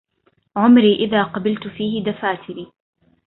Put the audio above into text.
عمري إذا قبلت فيه دفاتري